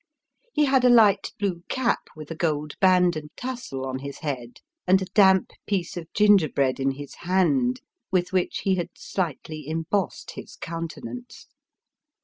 He had a light blue cap with a gold band and tassel on his head, and a damp piece of gingerbread in his hand, with which he had slightly embossed his countenance.